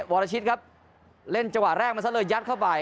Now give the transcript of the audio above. วรชิตครับเล่นจังหวะแรกมาซะเลยยัดเข้าไป